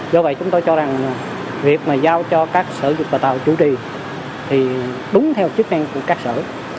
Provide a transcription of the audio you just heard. do vậy chúng tôi cho rằng việc mà giao cho các sở dục và tạo chủ trì thì đúng theo chức năng của các sở